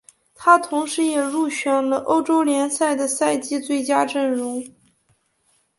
他同时也入选了欧洲联赛的赛季最佳阵容。